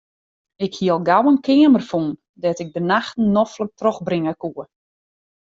Ik hie al gau in keamer fûn dêr't ik de nachten noflik trochbringe koe.